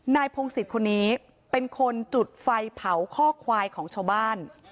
พงศิษย์คนนี้เป็นคนจุดไฟเผาข้อควายของชาวบ้าน